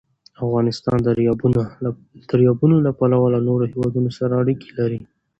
افغانستان د دریابونه له پلوه له نورو هېوادونو سره اړیکې لري.